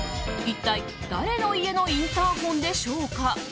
一体、誰の家のインターホンでしょうか？